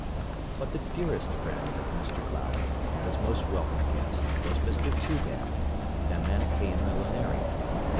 But the dearest friend of Mr Glowry, and his most welcome guest, was Mr Toobad, the Manichaean Millenarian.